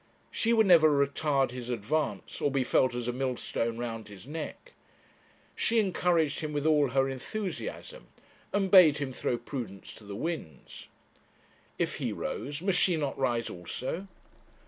She would never retard his advance, or be felt as a millstone round his neck. She encouraged him with all her enthusiasm, and bade him throw prudence to the winds. If he rose, must she not rise also?